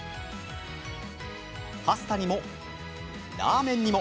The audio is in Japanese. パスタにもラーメンにも。